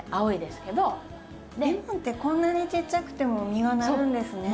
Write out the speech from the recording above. レモンってこんなにちっちゃくても実がなるんですね。